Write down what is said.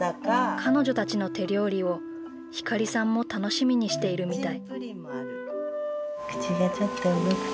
彼女たちの手料理をひかりさんも楽しみにしているみたい。